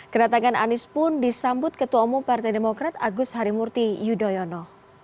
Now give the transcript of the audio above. kedatangan anies pun disambut ketua umum partai demokrat agus harimurti yudhoyono